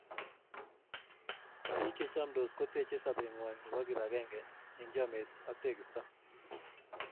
biik che camdos, koteechei sobeetng'wai nebo kip agenge eng chomyet ak tekiisto